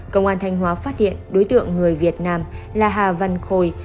công an thanh hóa phát hiện đối tượng người việt nam là hà văn khôi